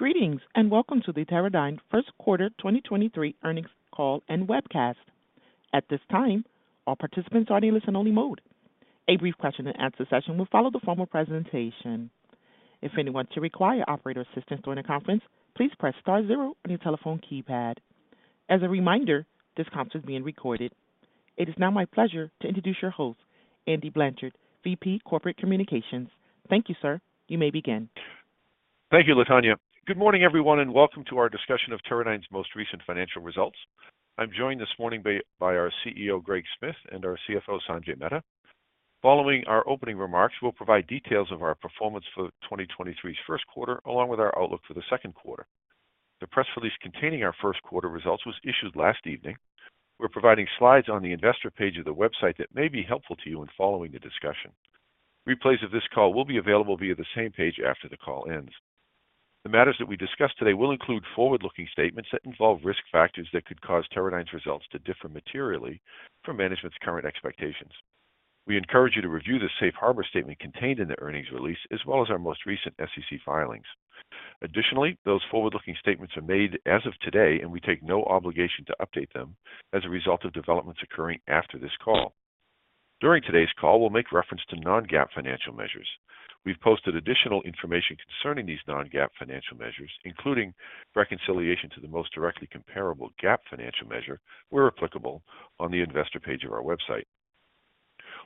Greetings, and welcome to the Teradyne Q1 2023 earnings call and webcast. At this time, all participants are in listen-only mode. A brief question-and-answer session will follow the formal presentation. If anyone should require operator assistance during the conference, please press star 0 on your telephone keypad. As a reminder, this conference is being recorded. It is now my pleasure to introduce your host, Andy Blanchard, VP Corporate Communications. Thank you, sir. You may begin. Thank you, Latonya. Good morning, everyone, welcome to our discussion of Teradyne's most recent financial results. I'm joined this morning by our CEO, Greg Smith, and our CFO, Sanjay Mehta. Following our opening remarks, we'll provide details of our performance for the 2023's Q1, along with our outlook for the Q2. The press release containing our Q1 results was issued last evening. We're providing slides on the investor page of the website that may be helpful to you in following the discussion. Replays of this call will be available via the same page after the call ends. The matters that we discuss today will include forward-looking statements that involve risk factors that could cause Teradyne's results to differ materially from management's current expectations. We encourage you to review the safe harbor statement contained in the earnings release, as well as our most recent SEC filings. Additionally, those forward-looking statements are made as of today. We take no obligation to update them as a result of developments occurring after this call. During today's call, we'll make reference to non-GAAP financial measures. We've posted additional information concerning these non-GAAP financial measures, including reconciliation to the most directly comparable GAAP financial measure, where applicable, on the investor page of our website.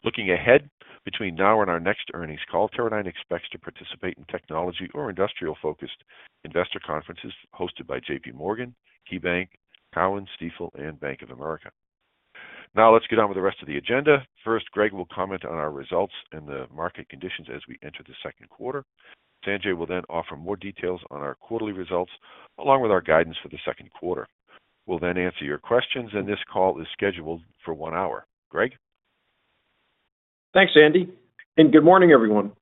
Looking ahead, between now and our next earnings call, Teradyne expects to participate in technology or industrial-focused investor conferences hosted by JPMorgan, KeyBanc, Cowen, Stifel, and Bank of America. Let's get on with the rest of the agenda. First, Greg will comment on our results and the market conditions as we enter the Q2. Sanjay will then offer more details on our quarterly results, along with our guidance for the Q2. We'll then answer your questions, and this call is scheduled for 1 hour. Greg? Thanks, Andy. Good morning, everyone.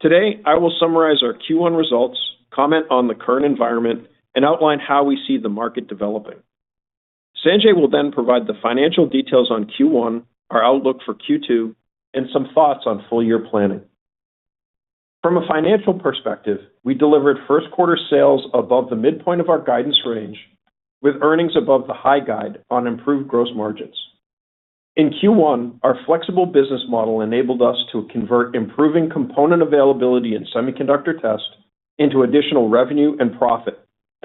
Today, I will summarize our Q1 results, comment on the current environment, and outline how we see the market developing. Sanjay will then provide the financial details on Q1, our outlook for Q2, and some thoughts on full-year planning. From a financial perspective, we delivered Q1 sales above the midpoint of our guidance range, with earnings above the high guide on improved gross margins. In Q1, our flexible business model enabled us to convert improving component availability and semiconductor test into additional revenue and profit.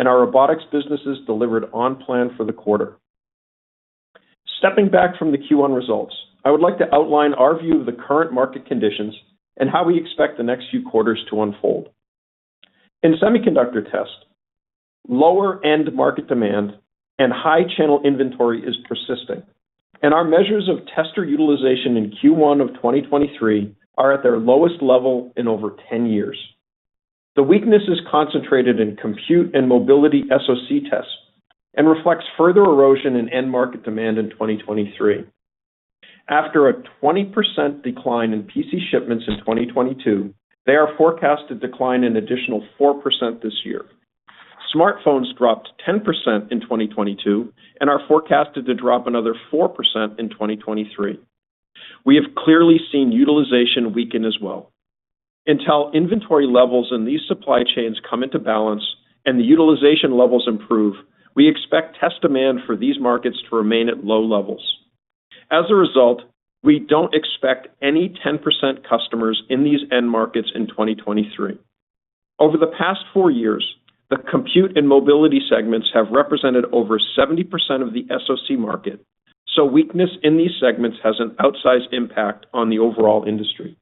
Our robotics businesses delivered on plan for the quarter. Stepping back from the Q1 results, I would like to outline our view of the current market conditions and how we expect the next few quarters to unfold. In semiconductor test, lower-end market demand and high channel inventory is persisting, and our measures of tester utilization in Q1 of 2023 are at their lowest level in over 10 years. The weakness is concentrated in compute and mobility SoC tests and reflects further erosion in end market demand in 2023. After a 20% decline in PC shipments in 2022, they are forecast to decline an additional 4% this year. Smartphones dropped 10% in 2022 and are forecasted to drop another 4% in 2023. We have clearly seen utilization weaken as well. Until inventory levels in these supply chains come into balance and the utilization levels improve, we expect test demand for these markets to remain at low levels. As a result, we don't expect any 10% customers in these end markets in 2023. Over the past four years, the compute and mobility segments have represented over 70% of the SoC market, so weakness in these segments has an outsized impact on the overall industry.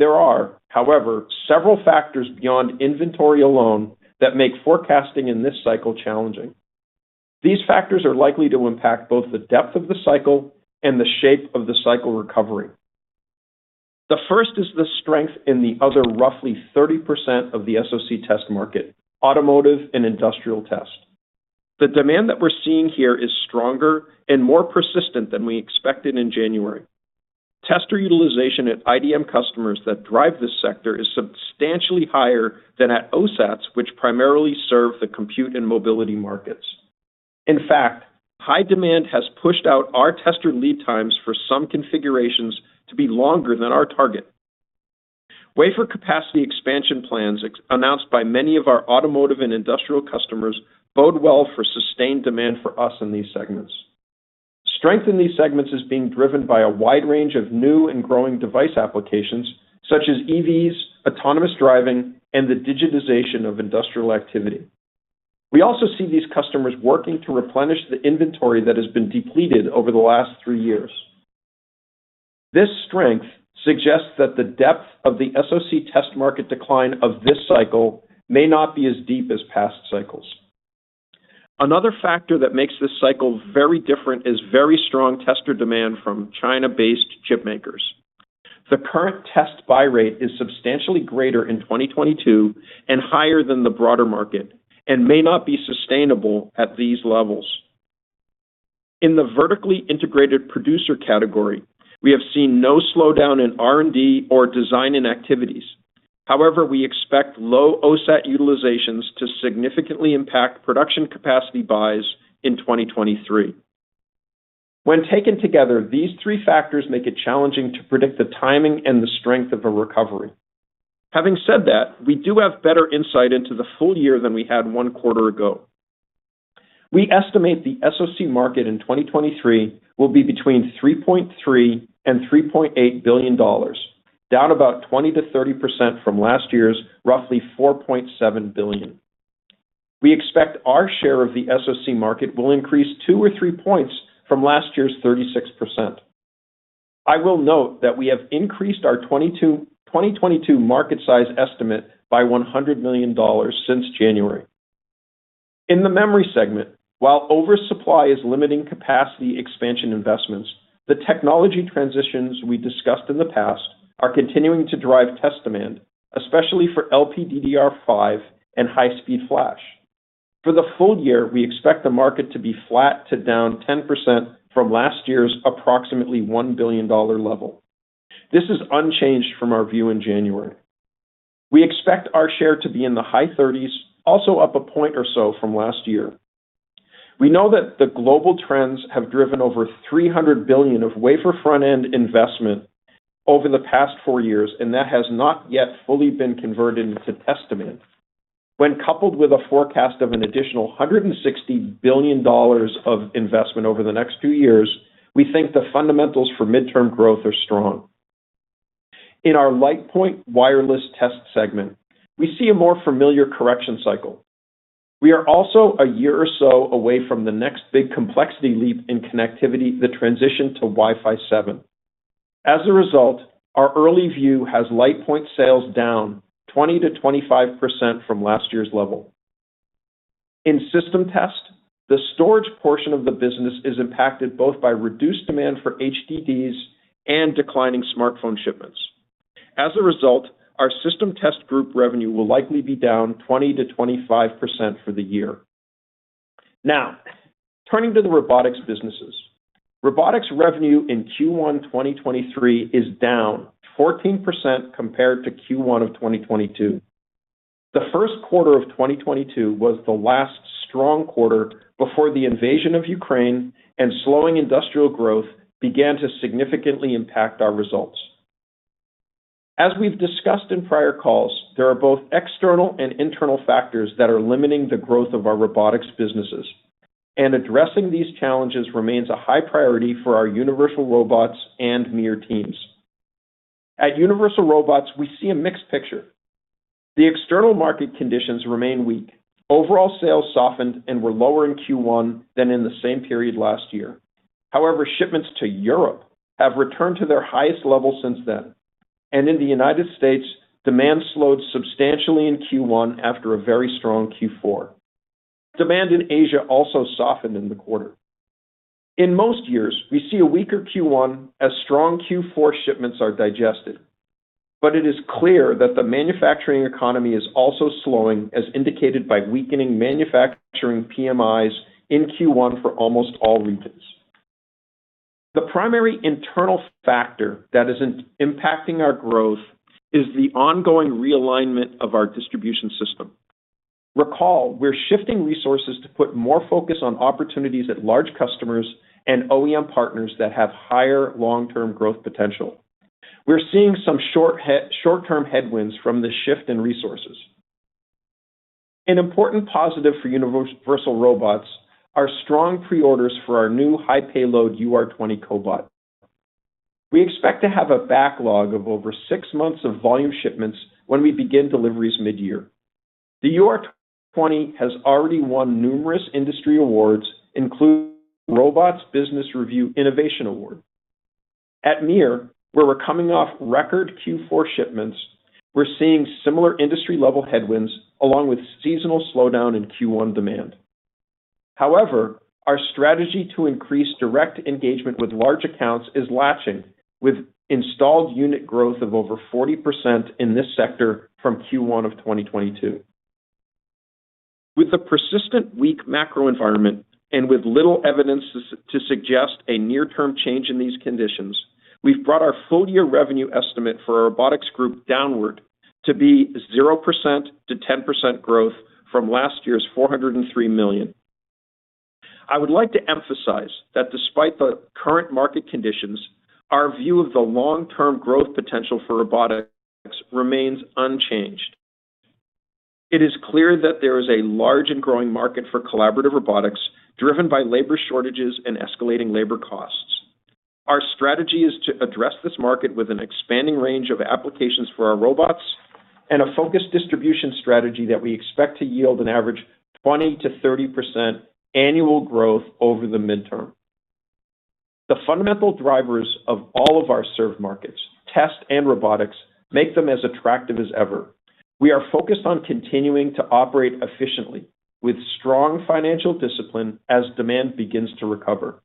There are, however, several factors beyond inventory alone that make forecasting in this cycle challenging. These factors are likely to impact both the depth of the cycle and the shape of the cycle recovery. The first is the strength in the other roughly 30% of the SoC test market, automotive and industrial test. Tester utilization at IDM customers that drive this sector is substantially higher than at OSATs, which primarily serve the compute and mobility markets. In fact, high demand has pushed out our tester lead times for some configurations to be longer than our target. Wafer capacity expansion plans announced by many of our automotive and industrial customers bode well for sustained demand for us in these segments. Strength in these segments is being driven by a wide range of new and growing device applications such as EVs, autonomous driving, and the digitization of industrial activity. We also see these customers working to replenish the inventory that has been depleted over the last three years. This strength suggests that the depth of the SoC test market decline of this cycle may not be as deep as past cycles. Another factor that makes this cycle very different is very strong tester demand from China-based chipmakers. The current test buy rate is substantially greater in 2022 and higher than the broader market and may not be sustainable at these levels. In the vertically integrated producer category, we have seen no slowdown in R&D or design-in activities. However, we expect low OSAT utilizations to significantly impact production capacity buys in 2023. When taken together, these three factors make it challenging to predict the timing and the strength of a recovery. Having said that, we do have better insight into the full year than we had one quarter ago. We estimate the SoC market in 2023 will be between $3.3 billion and $3.8 billion, down about 20%-30% from last year's roughly $4.7 billion. We expect our share of the SoC market will increase 2 or 3 points from last year's 36%. I will note that we have increased our 2022 market size estimate by $100 million since January. In the memory segment, while oversupply is limiting capacity expansion investments, the technology transitions we discussed in the past are continuing to drive test demand, especially for LPDDR5 and high-speed flash. For the full year, we expect the market to be flat to down 10% from last year's approximately $1 billion level. This is unchanged from our view in January. We expect our share to be in the high 30s, also up a point or so from last year. We know that the global trends have driven over $300 billion of wafer front-end investment over the past 4 years, and that has not yet fully been converted into test demand. When coupled with a forecast of an additional $160 billion of investment over the next few years, we think the fundamentals for midterm growth are strong. In our LitePoint Wireless Test segment, we see a more familiar correction cycle. We are also a year or so away from the next big complexity leap in connectivity, the transition to Wi-Fi 7. Our early view has LitePoint sales down 20%-25% from last year's level. In system test, the storage portion of the business is impacted both by reduced demand for HDDs and declining smartphone shipments. Our system test group revenue will likely be down 20%-25% for the year. Turning to the robotics businesses. Robotics revenue in Q1 2023 is down 14% compared to Q1 of 2022. The Q1 of 2022 was the last strong quarter before the invasion of Ukraine and slowing industrial growth began to significantly impact our results. As we've discussed in prior calls, there are both external and internal factors that are limiting the growth of our robotics businesses, and addressing these challenges remains a high priority for our Universal Robots and MiR teams. At Universal Robots, we see a mixed picture. The external market conditions remain weak. Overall sales softened and were lower in Q1 than in the same period last year. Shipments to Europe have returned to their highest level since then, and in the United States, demand slowed substantially in Q1 after a very strong Q4. Demand in Asia also softened in the quarter. In most years, we see a weaker Q1 as strong Q4 shipments are digested. It is clear that the manufacturing economy is also slowing, as indicated by weakening manufacturing PMIs in Q1 for almost all regions. The primary internal factor that is impacting our growth is the ongoing realignment of our distribution system. Recall, we're shifting resources to put more focus on opportunities at large customers and OEM partners that have higher long-term growth potential. We're seeing some short-term headwinds from the shift in resources. An important positive for Universal Robots are strong pre-orders for our new high payload UR20 cobot. We expect to have a backlog of over 6 months of volume shipments when we begin deliveries mid-year. The UR20 has already won numerous industry awards, including the Robotics Business Review Innovation Awards. At MiR, where we're coming off record Q4 shipments, we're seeing similar industry-level headwinds along with seasonal slowdown in Q1 demand. However, our strategy to increase direct engagement with large accounts is latching, with installed unit growth of over 40% in this sector from Q1 of 2022. With the persistent weak macro environment and with little evidence to suggest a near-term change in these conditions, we've brought our full-year revenue estimate for our robotics group downward to be 0%-10% growth from last year's $403 million. I would like to emphasize that despite the current market conditions, our view of the long-term growth potential for robotics remains unchanged. It is clear that there is a large and growing market for collaborative robotics, driven by labor shortages and escalating labor costs. Our strategy is to address this market with an expanding range of applications for our robots and a focused distribution strategy that we expect to yield an average 20%-30% annual growth over the midterm. The fundamental drivers of all of our served markets, test and robotics, make them as attractive as ever. We are focused on continuing to operate efficiently with strong financial discipline as demand begins to recover.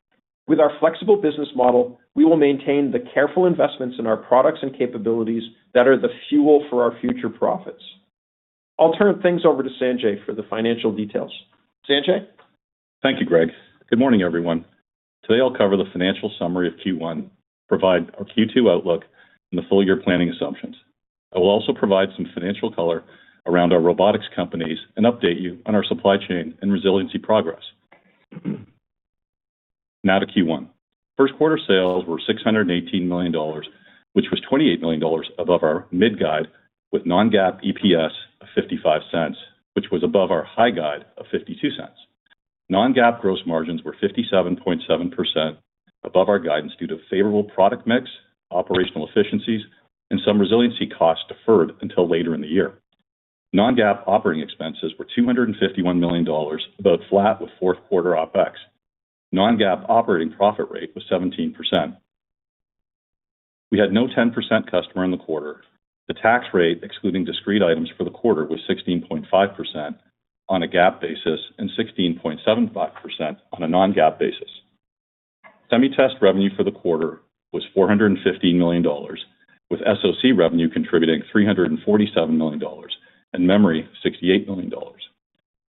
With our flexible business model, we will maintain the careful investments in our products and capabilities that are the fuel for our future profits. I'll turn things over to Sanjay for the financial details. Sanjay? Thank you, Greg. Good morning, everyone. Today, I'll cover the financial summary of Q1, provide our Q2 outlook, and the full-year planning assumptions. I will also provide some financial color around our robotics companies and update you on our supply chain and resiliency progress. Now to Q1. Q1 sales were $618 million, which was $28 million above our mid guide with non-GAAP EPS of $0.55, which was above our high guide of $0.52. Non-GAAP gross margins were 57.7% above our guidance due to favorable product mix, operational efficiencies, and some resiliency costs deferred until later in the year. Non-GAAP operating expenses were $251 million, about flat with Q4 OpEx. Non-GAAP operating profit rate was 17%. We had no 10% customer in the quarter. The tax rate, excluding discrete items for the quarter, was 16.5% on a GAAP basis and 16.75% on a non-GAAP basis. Semi test revenue for the quarter was $415 million, with SoC revenue contributing $347 million and memory $68 million.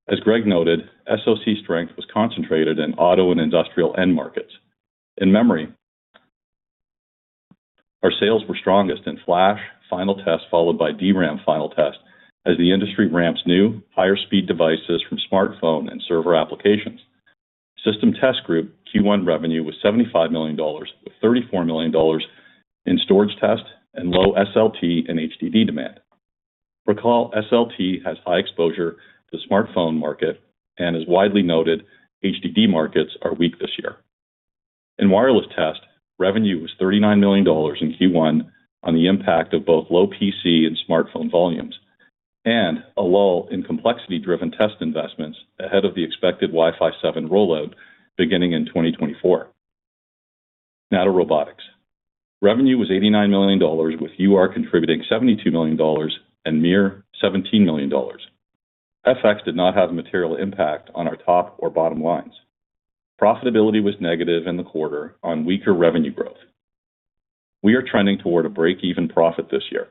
As Greg noted, SoC strength was concentrated in auto and industrial end markets. In memory, our sales were strongest in flash final test, followed by DRAM final test as the industry ramps new higher speed devices from smartphone and server applications. System test group Q1 revenue was $75 million, with $34 million in storage test and low SLT and HDD demand. Recall SLT has high exposure to smartphone market and is widely noted HDD markets are weak this year. In wireless test, revenue was $39 million in Q1 on the impact of both low PC and smartphone volumes, and a lull in complexity-driven test investments ahead of the expected Wi-Fi 7 rollout beginning in 2024. To robotics. Revenue was $89 million, with UR contributing $72 million and MiR $17 million. FX did not have a material impact on our top or bottom lines. Profitability was negative in the quarter on weaker revenue growth. We are trending toward a break-even profit this year,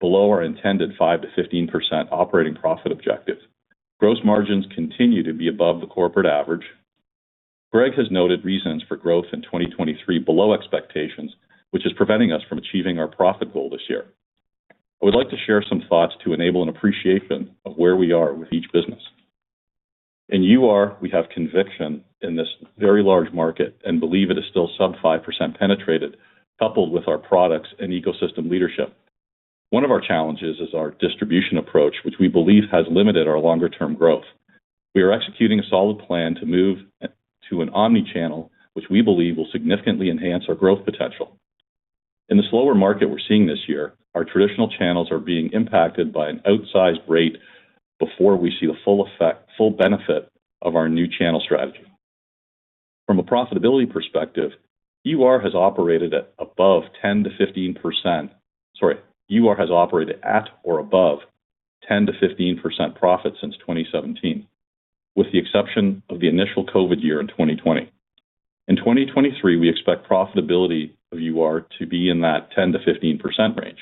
below our intended 5%-15% operating profit objective. Gross margins continue to be above the corporate average. Greg has noted reasons for growth in 2023 below expectations, which is preventing us from achieving our profit goal this year. I would like to share some thoughts to enable an appreciation of where we are with each business. In UR, we have conviction in this very large market and believe it is still sub 5% penetrated, coupled with our products and ecosystem leadership. One of our challenges is our distribution approach, which we believe has limited our longer term growth. We are executing a solid plan to move to an omnichannel, which we believe will significantly enhance our growth potential. In the slower market we're seeing this year, our traditional channels are being impacted by an outsized rate before we see the full benefit of our new channel strategy. From a profitability perspective, UR has operated at above 10%-15%. Sorry. UR has operated at or above 10%-15% profit since 2017, with the exception of the initial COVID year in 2020. In 2023, we expect profitability of UR to be in that 10%-15% range.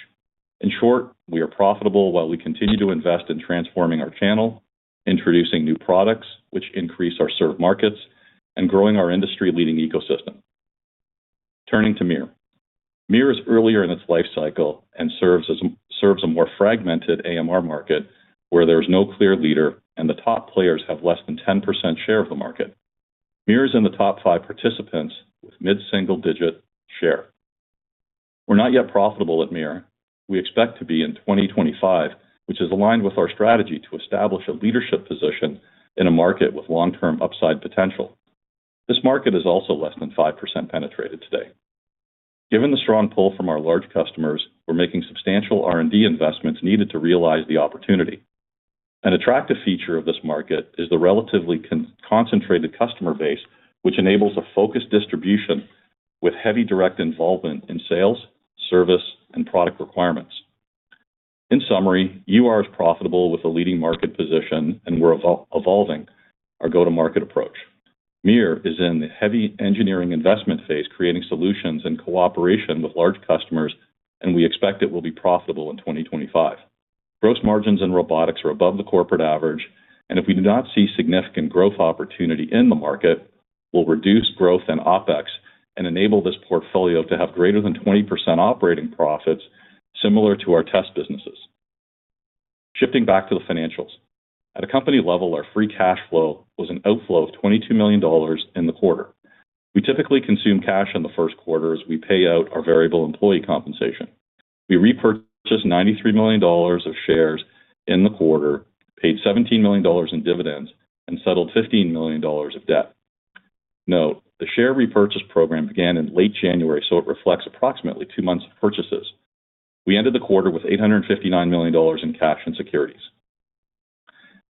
In short, we are profitable while we continue to invest in transforming our channel, introducing new products which increase our served markets, and growing our industry-leading ecosystem. Turning to MiR. MiR is earlier in its life cycle and serves a more fragmented AMR market where there is no clear leader and the top players have less than 10% share of the market. MiR is in the top five participants with mid-single digit share. We're not yet profitable at MiR. We expect to be in 2025, which is aligned with our strategy to establish a leadership position in a market with long-term upside potential. This market is also less than 5% penetrated today. Given the strong pull from our large customers, we're making substantial R&D investments needed to realize the opportunity. An attractive feature of this market is the relatively concentrated customer base, which enables a focused distribution with heavy direct involvement in sales, service, and product requirements. In summary, UR is profitable with a leading market position, and we're evolving our go-to-market approach. MiR is in the heavy engineering investment phase, creating solutions in cooperation with large customers, and we expect it will be profitable in 2025. Gross margins in robotics are above the corporate average, and if we do not see significant growth opportunity in the market, we'll reduce growth and OpEx and enable this portfolio to have greater than 20% operating profits similar to our test businesses. Shifting back to the financials. At a company level, our free cash flow was an outflow of $22 million in the quarter. We typically consume cash in the Q1 as we pay out our variable employee compensation. We repurchased $93 million of shares in the quarter, paid $17 million in dividends, and settled $15 million of debt. Note, the share repurchase program began in late January, so it reflects approximately two months of purchases. We ended the quarter with $859 million in cash and securities.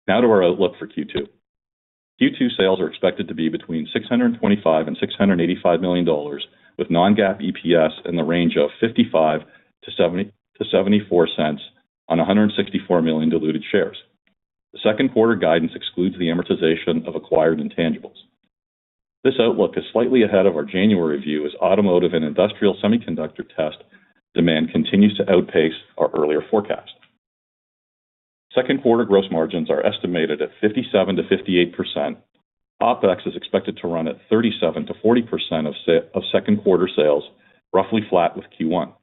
To our outlook for Q2. Q2 sales are expected to be between $625 million and $685 million, with non-GAAP EPS in the range of $0.55-$0.74 on 164 million diluted shares. The Q2 guidance excludes the amortization of acquired intangibles. This outlook is slightly ahead of our January view as automotive and industrial semiconductor test demand continues to outpace our earlier forecast. Q2 gross margins are estimated at 57%-58%. OpEx is expected to run at 37%-40% of Q2 sales, roughly flat with Q1.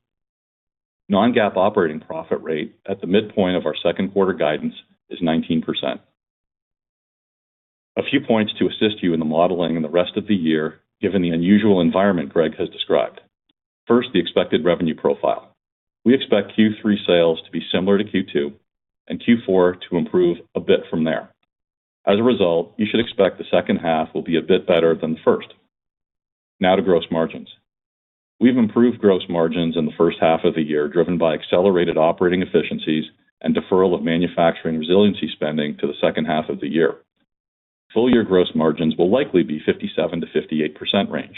Non-GAAP operating profit rate at the midpoint of our Q2 guidance is 19%. A few points to assist you in the modeling in the rest of the year, given the unusual environment Greg has described. First, the expected revenue profile. We expect Q3 sales to be similar to Q2 and Q4 to improve a bit from there. As a result, you should expect the H2 will be a bit better than the first. Now to gross margins. We've improved gross margins in the H1 of the year, driven by accelerated operating efficiencies and deferral of manufacturing resiliency spending to the H2 of the year. Full year gross margins will likely be 57%-58% range.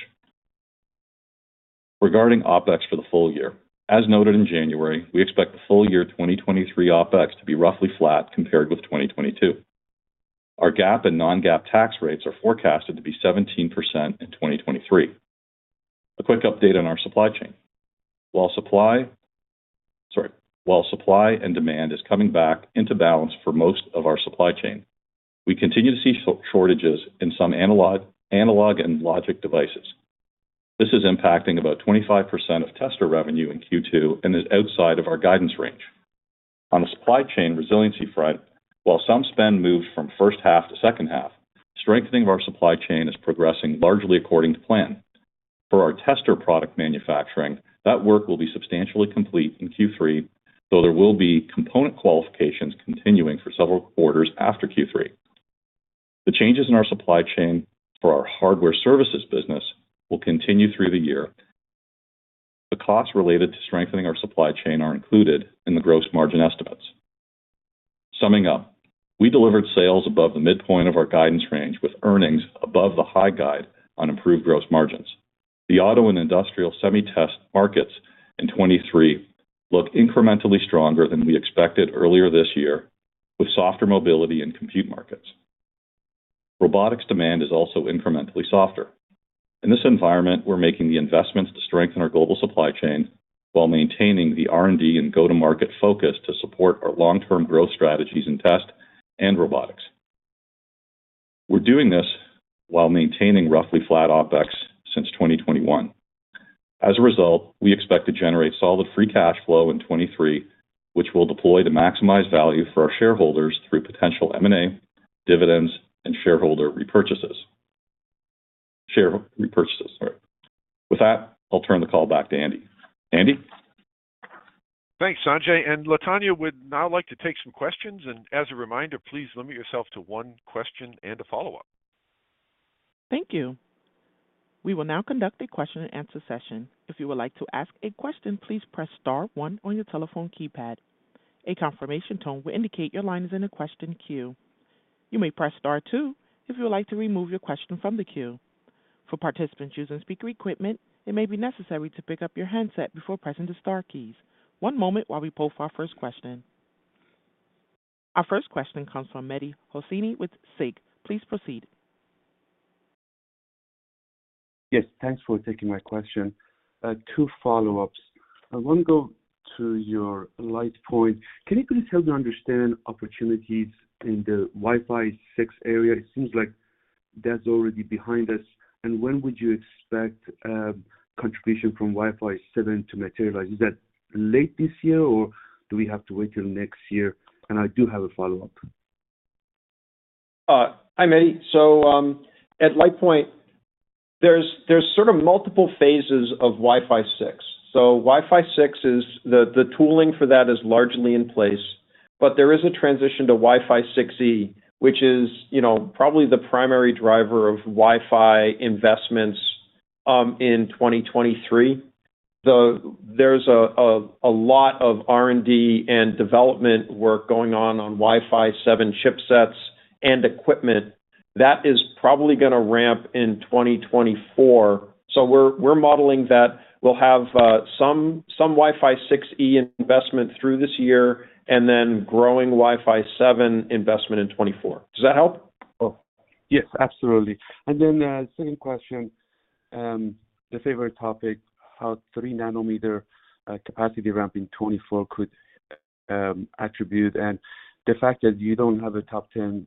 Regarding OpEx for the full year, as noted in January, we expect the full year 2023 OpEx to be roughly flat compared with 2022. Our GAAP and non-GAAP tax rates are forecasted to be 17% in 2023. A quick update on our supply chain. While supply and demand is coming back into balance for most of our supply chain, we continue to see shortages in some analog and logic devices. This is impacting about 25% of tester revenue in Q2 and is outside of our guidance range. On the supply chain resiliency front, while some spend moved from H1 to H2, strengthening of our supply chain is progressing largely according to plan. For our tester product manufacturing, that work will be substantially complete in Q3, though there will be component qualifications continuing for several quarters after Q3. The changes in our supply chain for our hardware services business will continue through the year. The costs related to strengthening our supply chain are included in the gross margin estimates. Summing up, we delivered sales above the midpoint of our guidance range, with earnings above the high guide on improved gross margins. The auto and industrial semi test markets in 23 look incrementally stronger than we expected earlier this year, with softer mobility in compute markets. Robotics demand is also incrementally softer. In this environment, we're making the investments to strengthen our global supply chain while maintaining the R&D and go-to-market focus to support our long-term growth strategies in test and robotics. We're doing this while maintaining roughly flat OpEx since 2021. As a result, we expect to generate solid free cash flow in 2023, which we'll deploy to maximize value for our shareholders through potential M&A, dividends, and shareholder repurchases. Share repurchases. Sorry. With that, I'll turn the call back to Andy. Andy? Thanks, Sanjay. Latonya would now like to take some questions. As a reminder, please limit yourself to one question and a follow-up. Thank you. We will now conduct a question and answer session. If you would like to ask a question, please press star one on your telephone keypad. A confirmation tone will indicate your line is in a question queue. You may press star two if you would like to remove your question from the queue. For participants using speaker equipment, it may be necessary to pick up your handset before pressing the star keys. One moment while we poll for our first question. Our first question comes from Mehdi Hosseini with SIG. Please proceed. Yes, thanks for taking my question. Two follow-ups. I want to go to your LitePoint. Can you please help me understand opportunities in the Wi-Fi 6 area? It seems like that's already behind us. When would you expect contribution from Wi-Fi 7 to materialize? Is that late this year, or do we have to wait till next year? I do have a follow-up. Hi, Mehdi. At LitePoint, there's sort of multiple phases of Wi-Fi 6. Wi-Fi 6 is the tooling for that is largely in place, but there is a transition to Wi-Fi 6E, which is, you know, probably the primary driver of Wi-Fi investments in 2023. There's a lot of R&D and development work going on on Wi-Fi 7 chipsets and equipment. That is probably gonna ramp in 2024. We're modeling that we'll have some Wi-Fi 6E investment through this year and then growing Wi-Fi 7 investment in 2024. Does that help? Oh, yes, absolutely. Second question, the favorite topic, how three-nanometer capacity ramp in 2024 could attribute and the fact that you don't have a top 10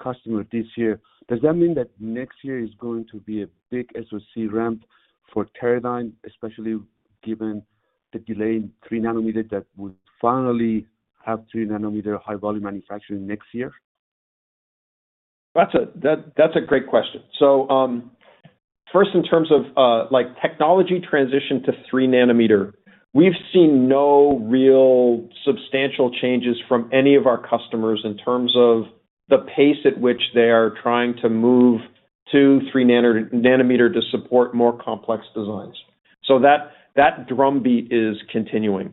customer this year, does that mean that next year is going to be a big SoC ramp for Teradyne, especially given the delayed three-nanometer that would finally have three-nanometer high-volume manufacturing next year? That's a great question. First, in terms of, like, technology transition to three nanometer, we've seen no real substantial changes from any of our customers in terms of the pace at which they are trying to move to three nanometer to support more complex designs. That drumbeat is continuing.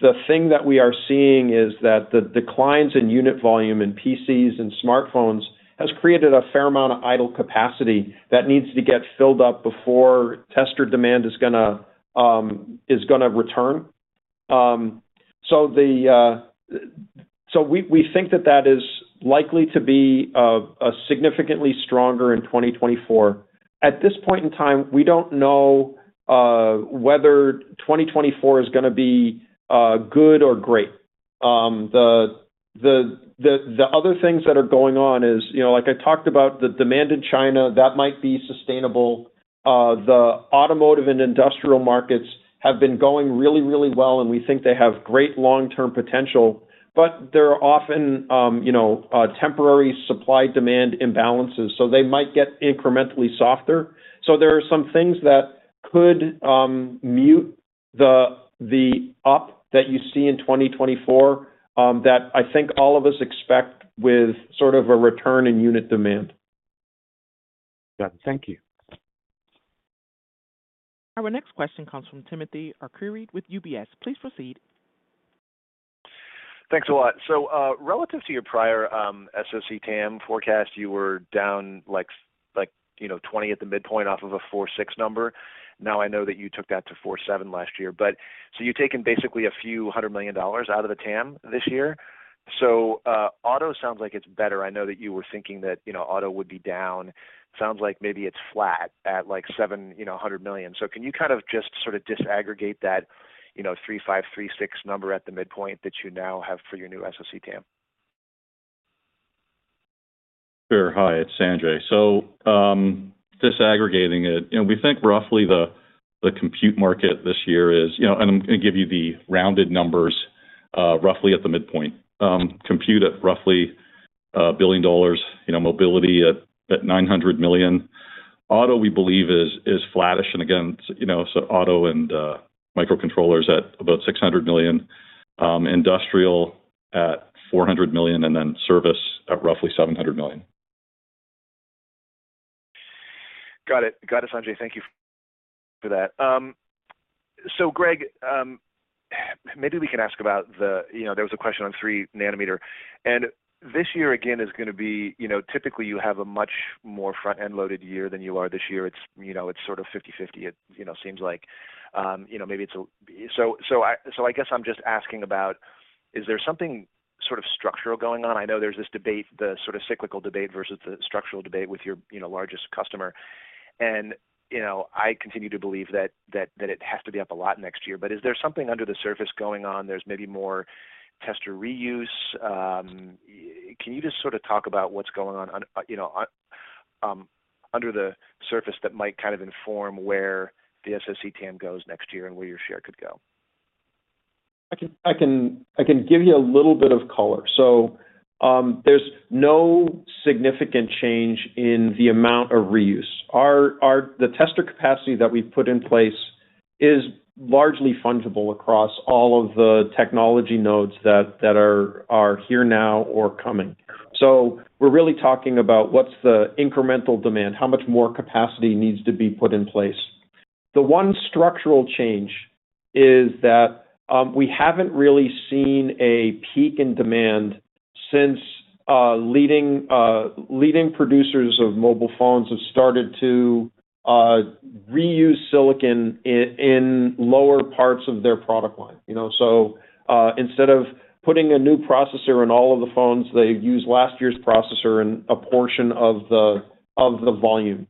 The thing that we are seeing is that the declines in unit volume in PCs and smartphones has created a fair amount of idle capacity that needs to get filled up before tester demand is gonna return. We think that is likely to be a significantly stronger in 2024. At this point in time, we don't know whether 2024 is going to be good or great. The other things that are going on is, you know, like I talked about the demand in China, that might be sustainable. The automotive and industrial markets have been going really well, and we think they have great long-term potential, but there are often, you know, temporary supply-demand imbalances, so they might get incrementally softer. There are some things that could mute the up that you see in 2024 that I think all of us expect with sort of a return in unit demand. Yeah. Thank you. Our next question comes from Timothy Arcuri with UBS. Please proceed. Thanks a lot. Relative to your prior SoC TAM forecast, you were down like, you know, 20% at the midpoint off of a $4.6 billion number. I know that you took that to $4.7 billion last year, you've taken basically a few hundred million dollars out of the TAM this year. Auto sounds like it's better. I know that you were thinking that, you know, auto would be down. Sounds like maybe it's flat at like $700 million. Can you kind of just sort of disaggregate that, you know, $3.5 billion-$3.6 billion number at the midpoint that you now have for your new SoC TAM? Sure. Hi, it's Sanjay. Disaggregating it, you know, we think roughly the compute market this year is, you know. I'm going to give you the rounded numbers, roughly at the midpoint. Compute at roughly $1 billion, you know, mobility at $900 million. Auto, we believe is flattish. Again, you know, auto and microcontrollers at about $600 million, industrial at $400 million, and then service at roughly $700 million. Got it. Got it, Sanjay. Thank you for that. Greg, maybe we can ask about the, you know, there was a question on three nanometer, and this year, again, is going to be, you know, typically you have a much more front-end loaded year than you are this year. It's, you know, it's sort of 50/50, it, you know, seems like. you know, I guess I'm just asking about, is there something sort of structural going on? I know there's this debate, the sort of cyclical debate versus the structural debate with your, you know, largest customer. you know, I continue to believe that it has to be up a lot next year. Is there something under the surface going on? There's maybe more tester reuse. Can you just sort of talk about what's going on, you know, under the surface that might kind of inform where the SoC TAM goes next year and where your share could go? I can give you a little bit of color. There's no significant change in the amount of reuse. The tester capacity that we've put in place is largely fungible across all of the technology nodes that are here now or coming. We're really talking about what's the incremental demand, how much more capacity needs to be put in place. The one structural change is that we haven't really seen a peak in demand since leading producers of mobile phones have started to reuse silicon in lower parts of their product line. You know? Instead of putting a new processor in all of the phones, they use last year's processor in a portion of the volume.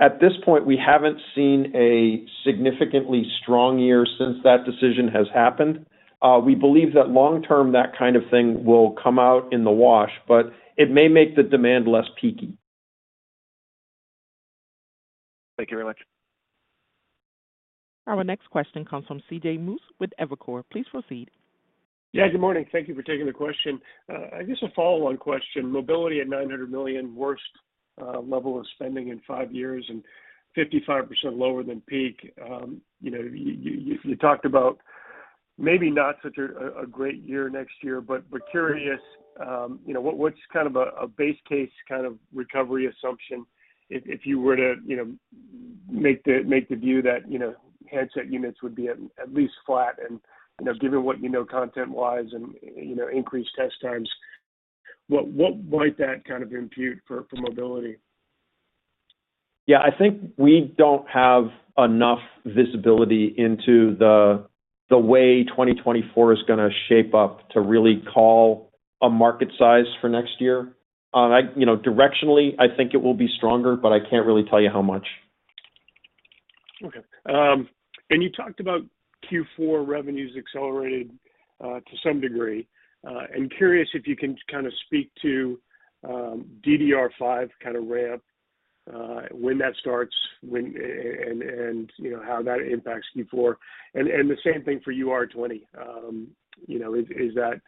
At this point, we haven't seen a significantly strong year since that decision has happened. We believe that long term, that kind of thing will come out in the wash, but it may make the demand less peaky. Thank you very much. Our next question comes from C.J. Muse with Evercore. Please proceed. Yeah, good morning. Thank you for taking the question. I guess a follow-on question. Mobility at $900 million, worst level of spending in five years and 55% lower than peak. you know, you talked about maybe not such a great year next year, but we're curious, you know, what's kind of a base case kind of recovery assumption, if you were to, you know, make the view that, you know, handset units would be at least flat and, you know, given what you know content-wise and, you know, increased test times, what might that kind of impute for mobility? Yeah, I think we don't have enough visibility into the way 2024 is going to shape up to really call a market size for next year. You know, directionally, I think it will be stronger, but I can't really tell you how much. Okay. You talked about Q4 revenues accelerated to some degree. I'm curious if you can kind of speak to DDR5 kind of ramp, when that starts, when and, you know, how that impacts Q4. The same thing for UR20. You know, is that,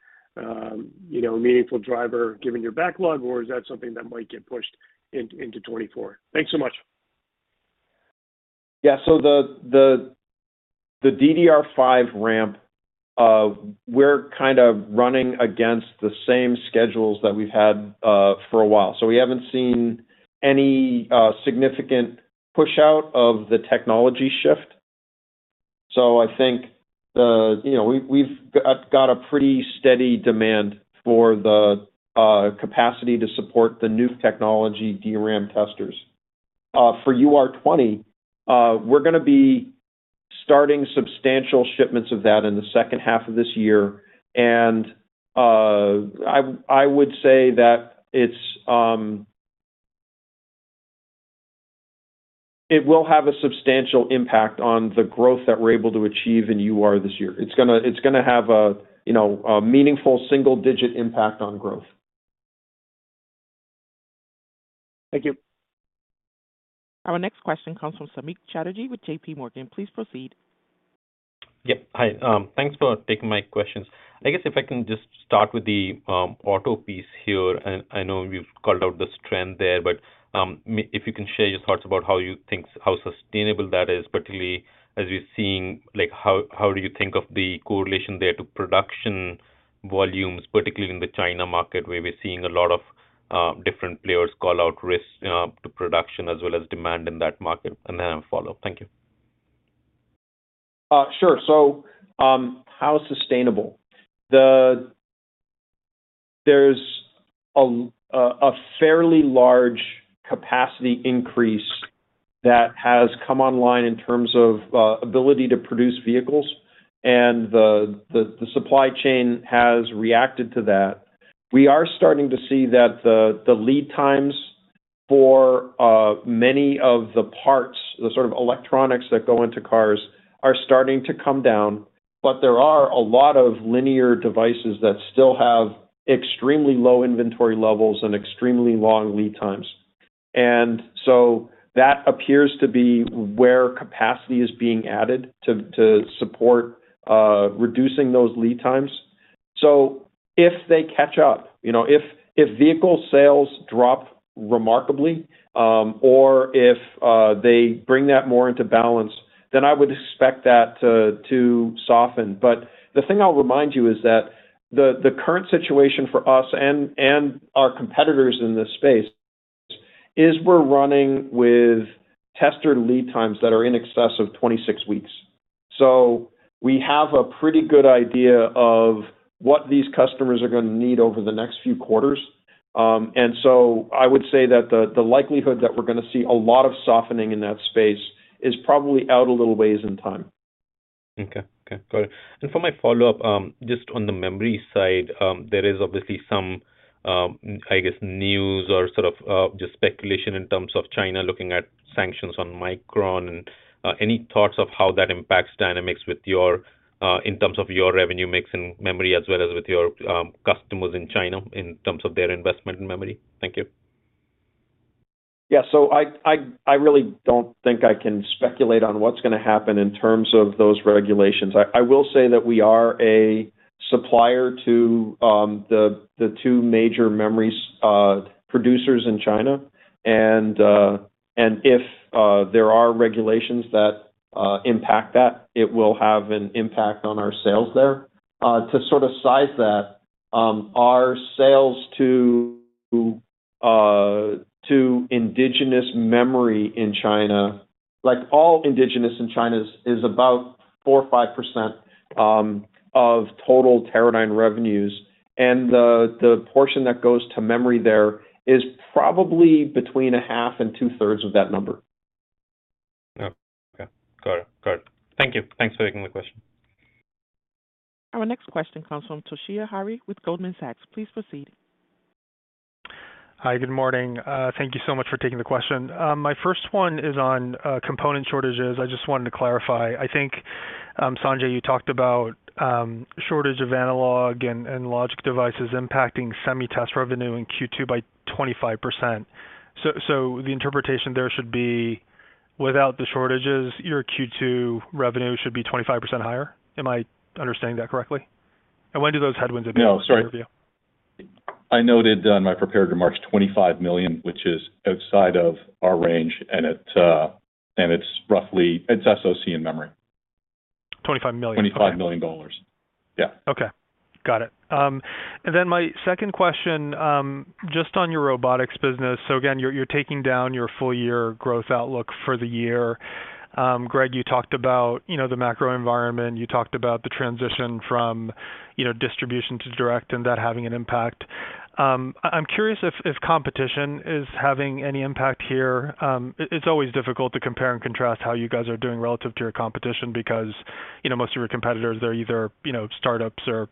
you know, a meaningful driver given your backlog or is that something that might get pushed into 2024? Thanks so much. Yeah. The DDR5 ramp, we're kind of running against the same schedules that we've had for a while. We haven't seen any significant push-out of the technology shift. I think the, you know, we've got a pretty steady demand for the capacity to support the new technology DRAM testers. For UR20, Starting substantial shipments of that in the H2 of this year. I would say that it's it will have a substantial impact on the growth that we're able to achieve in UR this year. It's gonna have a, you know, a meaningful single-digit impact on growth. Thank you. Our next question comes from Samik Chatterjee with J.P. Morgan. Please proceed. Yeah. Hi. Thanks for taking my questions. I guess if I can just start with the auto piece here, I know you've called out this trend there, but if you can share your thoughts about how you think how sustainable that is, particularly as we're seeing, like how do you think of the correlation there to production volumes, particularly in the China market where we're seeing a lot of different players call out risks to production as well as demand in that market? Then a follow-up. Thank you. How sustainable? There's a fairly large capacity increase that has come online in terms of ability to produce vehicles, and the supply chain has reacted to that. We are starting to see that the lead times for many of the parts, the sort of electronics that go into cars, are starting to come down, but there are a lot of linear devices that still have extremely low inventory levels and extremely long lead times. That appears to be where capacity is being added to support reducing those lead times. If they catch up, you know, if vehicle sales drop remarkably, or if they bring that more into balance, then I would expect that to soften. The thing I'll remind you is that the current situation for us and our competitors in this space is we're running with tester lead times that are in excess of 26 weeks. We have a pretty good idea of what these customers are gonna need over the next few quarters. I would say that the likelihood that we're gonna see a lot of softening in that space is probably out a little ways in time. Okay. Okay. Got it. For my follow-up, just on the memory side, there is obviously some, I guess, news or sort of, just speculation in terms of China looking at sanctions on Micron and, any thoughts of how that impacts dynamics with your, in terms of your revenue mix and memory as well as with your, customers in China in terms of their investment in memory? Thank you. I really don't think I can speculate on what's gonna happen in terms of those regulations. I will say that we are a supplier to the two major memory producers in China and if there are regulations that impact that, it will have an impact on our sales there. To sort of size that, our sales to indigenous memory in China, like all indigenous in China's, is about 4% or 5% of total Teradyne revenues, and the portion that goes to memory there is probably between a half and two-thirds of that number. Okay. Got it. Got it. Thank you. Thanks for taking the question. Our next question comes from Toshiya Hari with Goldman Sachs. Please proceed. Hi. Good morning. Thank you so much for taking the question. My first one is on component shortages. I just wanted to clarify. I think Sanjay, you talked about shortage of analog and logic devices impacting semi-test revenue in Q2 by 25%. The interpretation there should be, without the shortages, your Q2 revenue should be 25% higher? Am I understanding that correctly? When do those headwinds- No. Sorry. impact your view? I noted on my prepared remarks $25 million, which is outside of our range, and it's SoC and memory. $25 million. $25 million. Yeah. Okay. Got it. My second question, just on your robotics business. Again, you're taking down your full year growth outlook for the year. Greg, you talked about, you know, the macro environment, you talked about the transition from, you know, distribution to direct and that having an impact. I'm curious if competition is having any impact here. It's always difficult to compare and contrast how you guys are doing relative to your competition because, you know, most of your competitors, they're either, you know, startups or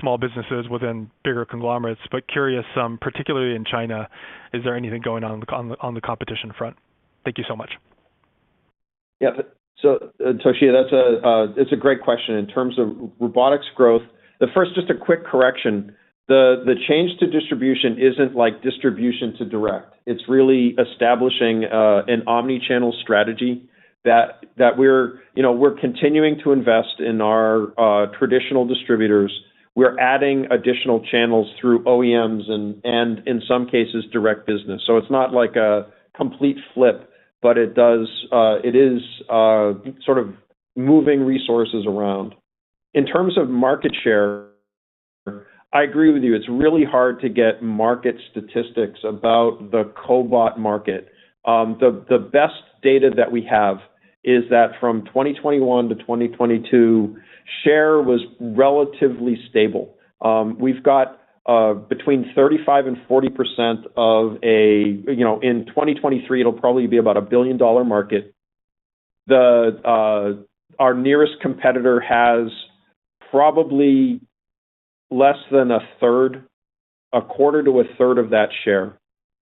small businesses within bigger conglomerates, but curious, particularly in China, is there anything going on on the competition front? Thank you so much. Toshiya, that's a great question. In terms of robotics growth, but first just a quick correction. The change to distribution isn't like distribution to direct. It's really establishing an omni-channel strategy that we're, you know, continuing to invest in our traditional distributors. We're adding additional channels through OEMs and in some cases, direct business. It's not like a complete flip, but it does, it is sort of moving resources around. In terms of market share, I agree with you. It's really hard to get market statistics about the cobot market. The best data that we have is that from 2021 to 2022 share was relatively stable. We've got between 35% and 40% of a. You know, in 2023, it'll probably be about a billion-dollar market. The our nearest competitor has probably less than 1/3, 1/4 to 1/3 of that share,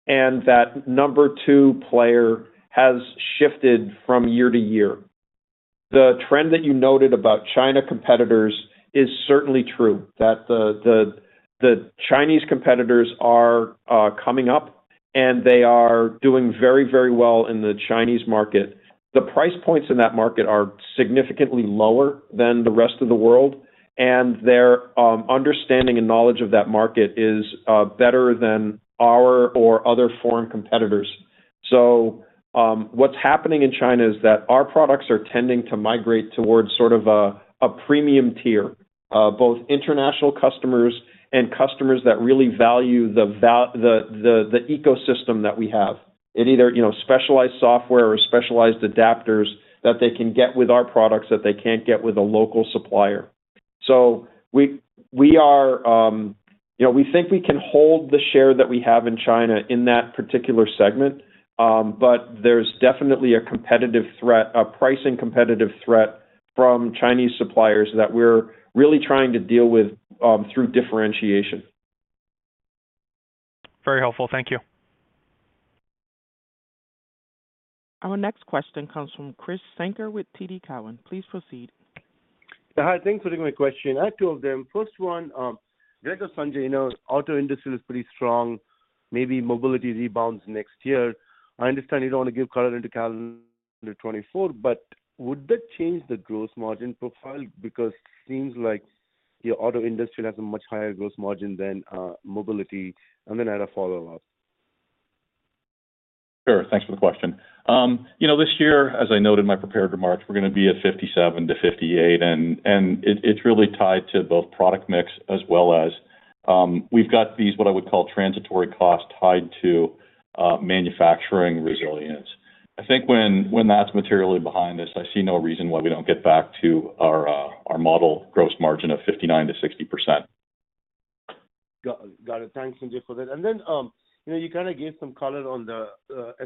and that number two player has shifted from year-to-year. The trend that you noted about China competitors is certainly true, that the Chinese competitors are coming up, and they are doing very, very well in the Chinese market. The price points in that market are significantly lower than the rest of the world, and their understanding and knowledge of that market is better than our or other foreign competitors. What's happening in China is that our products are tending to migrate towards sort of a premium tier, both international customers and customers that really value the ecosystem that we have. In either, you know, specialized software or specialized adapters that they can get with our products that they can't get with a local supplier. We are, you know, we think we can hold the share that we have in China in that particular segment, but there's definitely a competitive threat, a pricing competitive threat from Chinese suppliers that we're really trying to deal with through differentiation. Very helpful. Thank you. Our next question comes from Krish Sankar with TD Cowen. Please proceed. Hi, thanks for taking my question. I have two of them. First one, Greg or Sanjay, you know, auto industry is pretty strong, maybe mobility rebounds next year. I understand you don't want to give color into calendar 2024, but would that change the gross margin profile? Because seems like your auto industry has a much higher gross margin than mobility. I had a follow-up. Sure. Thanks for the question. you know, this year, as I noted in my prepared remarks, we're gonna be at 57%-58%. It's really tied to both product mix as well as, we've got these, what I would call transitory costs tied to, manufacturing resilience. I think when that's materially behind us, I see no reason why we don't get back to our model gross margin of 59%-60%. Got it. Thanks, Sanjay, for that. You know, you kind of gave some color on the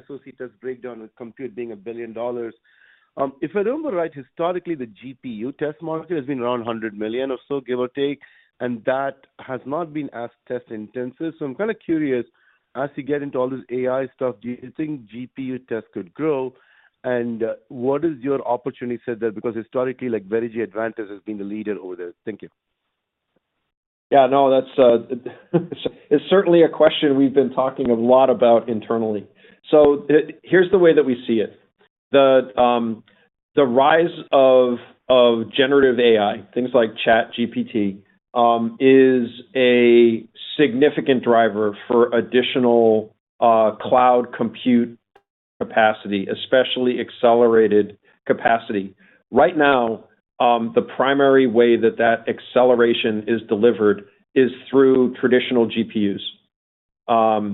SOC test breakdown, with compute being $1 billion. If I remember right, historically, the GPU test market has been around $100 million or so, give or take, and that has not been as test intensive. I'm kind of curious, as you get into all this AI stuff, do you think GPU tests could grow? What is your opportunity set there? Historically, like, Advantest has been the leader over there. Thank you. Yeah, no, that's, it's certainly a question we've been talking a lot about internally. Here's the way that we see it. The rise of generative AI, things like ChatGPT, is a significant driver for additional cloud compute capacity, especially accelerated capacity. Right now, the primary way that that acceleration is delivered is through traditional GPUs. I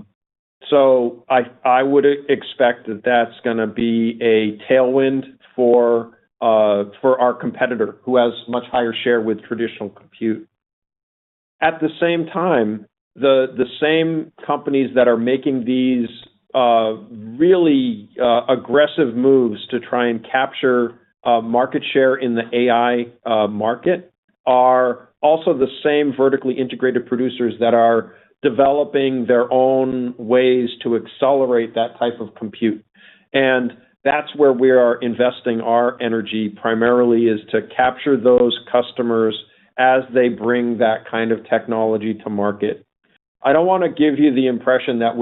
would expect that that's gonna be a tailwind for our competitor who has much higher share with traditional compute. At the same time, the same companies that are making these really aggressive moves to try and capture market share in the AI market are also the same vertically integrated producers that are developing their own ways to accelerate that type of compute. That's where we are investing our energy primarily, is to capture those customers as they bring that kind of technology to market. I don't wanna give you the impression that,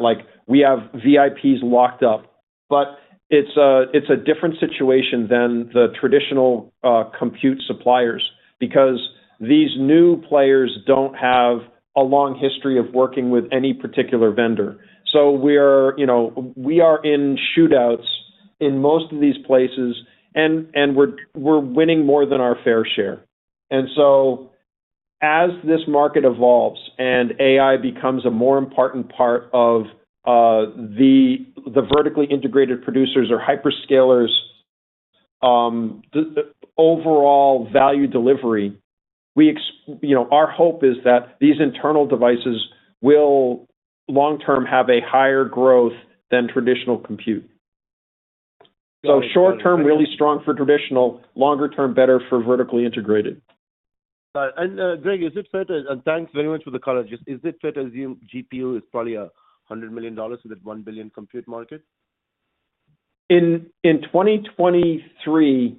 like, we have VIPs locked up, but it's a different situation than the traditional compute suppliers, because these new players don't have a long history of working with any particular vendor. We are, you know, we are in shootouts in most of these places, and we're winning more than our fair share. As this market evolves and AI becomes a more important part of the vertically integrated producers or hyperscalers, the overall value delivery, You know, our hope is that these internal devices will long-term have a higher growth than traditional compute. Short-term, really strong for traditional. Longer-term, better for vertically integrated. Got it. Greg, thanks very much for the color. Just, is it fair to assume GPU is probably $100 million in that $1 billion compute market? In 2023,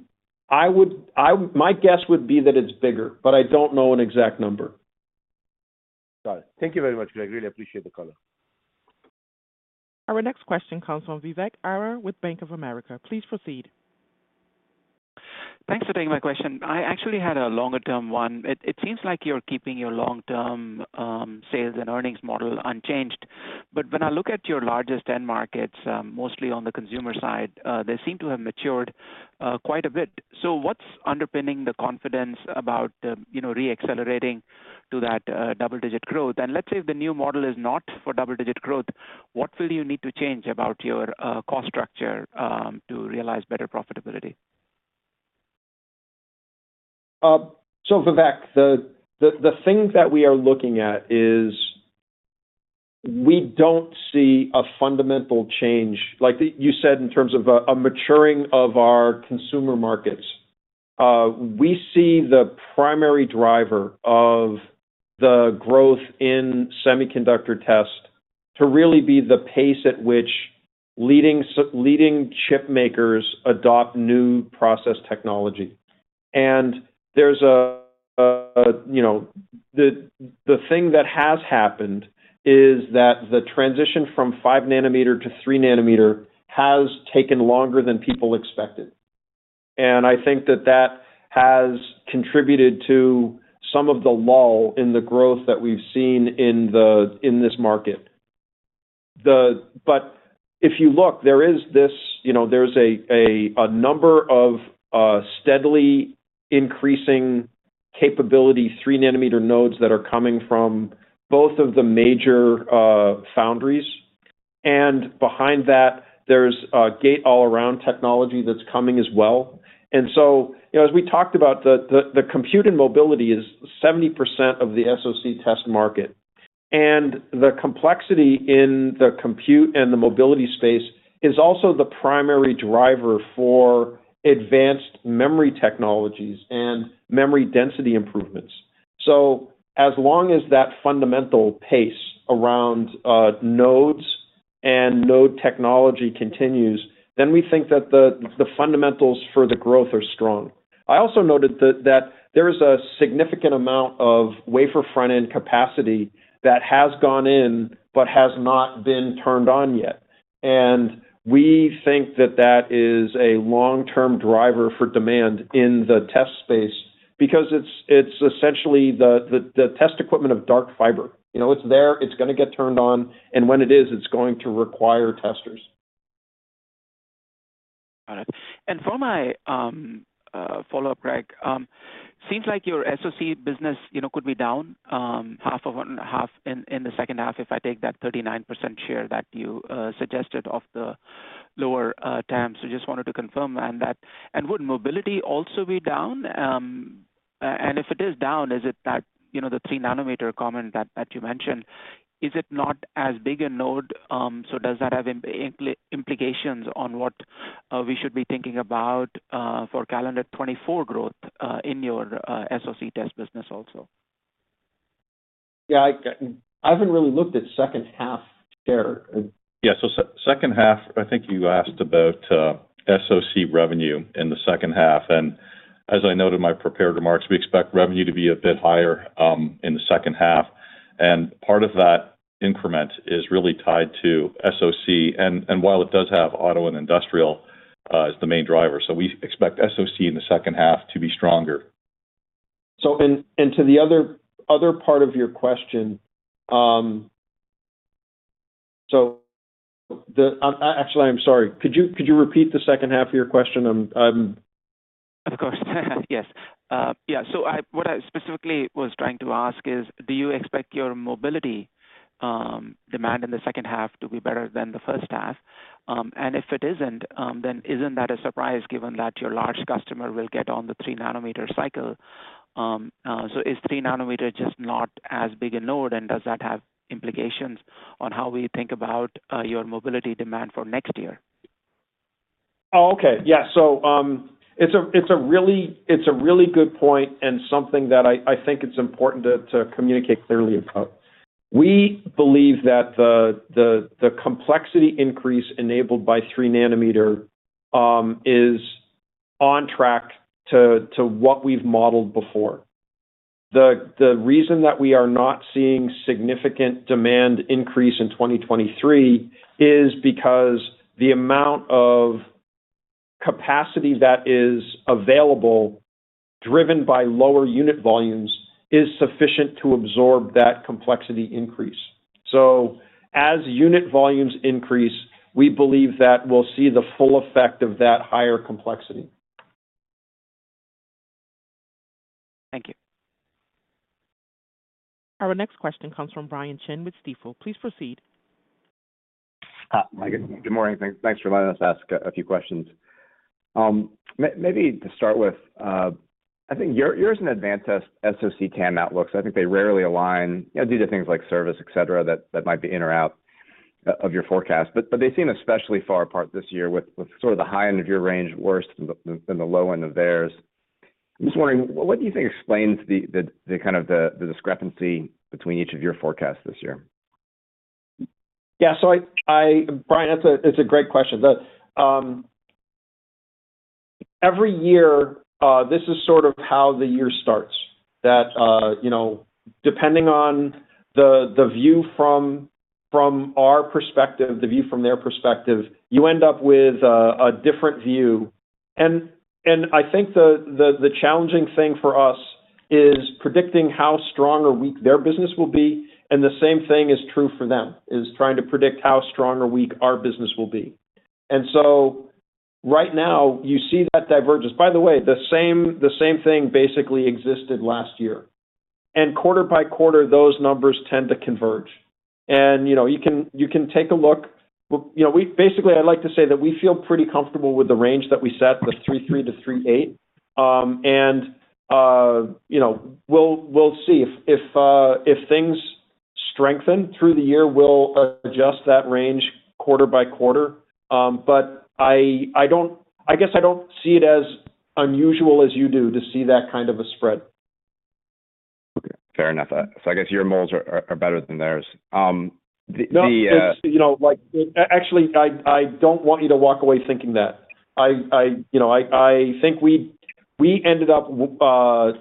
my guess would be that it's bigger, but I don't know an exact number. Got it. Thank you very much, Greg. Really appreciate the color. Our next question comes from Vivek Arya with Bank of America. Please proceed. Thanks for taking my question. I actually had a longer term one. It seems like you're keeping your long-term sales and earnings model unchanged. When I look at your largest end markets, mostly on the consumer side, they seem to have matured quite a bit. What's underpinning the confidence about, you know, re-accelerating to that double-digit growth? Let's say if the new model is not for double-digit growth, what will you need to change about your cost structure to realize better profitability? Vivek, the thing that we are looking at is we don't see a fundamental change, like you said, in terms of a maturing of our consumer markets. We see the primary driver of the growth in semiconductor test to really be the pace at which leading chip makers adopt new process technology. There's a, you know. The thing that has happened is that the transition from five nanometer to three nanometer has taken longer than people expected. I think that that has contributed to some of the lull in the growth that we've seen in this market. But if you look, there is this, you know, there's a number of steadily increasing capability, three nanometer nodes that are coming from both of the major foundries, and behind that there's a gate-all-around technology that's coming as well. You know, as we talked about, the compute and mobility is 70% of the SoC test market. The complexity in the compute and the mobility space is also the primary driver for advanced memory technologies and memory density improvements. As long as that fundamental pace around nodes and node technology continues, then we think that the fundamentals for the growth are strong. I also noted that there is a significant amount of wafer front-end capacity that has gone in but has not been turned on yet. We think that that is a long-term driver for demand in the test space because it's essentially the test equipment of dark fiber. You know, it's there, it's gonna get turned on, and when it is, it's going to require testers. Got it. For my follow-up, Greg, seems like your SoC business, you know, could be down, half of one and a half in the H2, if I take that 39% share that you suggested of the lower, TAM. Just wanted to confirm on that. Would mobility also be down? And if it is down, is it that, you know, the three nanometer comment that you mentioned, is it not as big a node? Does that have implications on what we should be thinking about for calendar 2024 growth in your SoC test business also? Yeah, I haven't really looked at H2 share. Yeah, H2, I think you asked about SoC revenue in the H2. As I noted in my prepared remarks, we expect revenue to be a bit higher in the H2. Part of that increment is really tied to SoC, and while it does have auto and industrial as the main driver. We expect SoC in the H2 to be stronger. To the other part of your question, actually, I'm sorry. Could you repeat the H2 of your question? Of course. Yes. Yeah. What I specifically was trying to ask is, do you expect your mobility demand in the H2 to be better than the H1? If it isn't, then isn't that a surprise given that your large customer will get on the three nanometer cycle? Is three nanometer just not as big a node, and does that have implications on how we think about your mobility demand for next year? Okay. It's a really good point and something that I think it's important to communicate clearly about. We believe that the complexity increase enabled by three nanometer is on track to what we've modeled before. The reason that we are not seeing significant demand increase in 2023 is because the amount of capacity that is available driven by lower unit volumes is sufficient to absorb that complexity increase. As unit volumes increase, we believe that we'll see the full effect of that higher complexity. Thank you. Our next question comes from Brian Chin with Stifel. Please proceed. Hi. Good morning. Thanks for letting us ask a few questions. Maybe to start with, I think your, yours is an advanced SoC TAM outlook, I think they rarely align, you know, due to things like service, et cetera, that might be in or out of your forecast. They seem especially far apart this year with sort of the high end of your range worse than the low end of theirs. I'm just wondering what do you think explains the kind of the discrepancy between each of your forecasts this year? Yeah. I, Brian, that's a great question. Every year, this is sort of how the year starts, that, you know, depending on the view from our perspective, the view from their perspective, you end up with a different view. I think the challenging thing for us is predicting how strong or weak their business will be, and the same thing is true for them, is trying to predict how strong or weak our business will be. Right now you see that divergence. By the way, the same thing basically existed last year. Quarter by quarter, those numbers tend to converge. You know, you can take a look. Well, you know, basically, I'd like to say that we feel pretty comfortable with the range that we set, the 3.3-3.8. You know, we'll see. If, if things strengthen through the year, we'll adjust that range quarter by quarter. I guess I don't see it as unusual as you do to see that kind of a spread. Okay. Fair enough. I guess your moles are better than theirs. No, it's, you know, like, actually, I don't want you to walk away thinking that. I, you know, I think we ended up